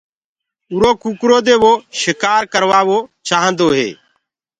اُرو ڪٚڪَرو دي وو شڪآر ڪروآوو چآهندو تو۔